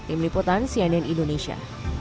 im liputan cnn indonesia